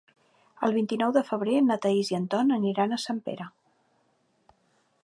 El vint-i-nou de febrer na Thaís i en Ton aniran a Sempere.